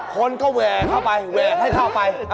คนก็แหวกเข้าไปแหวกให้เข้าไป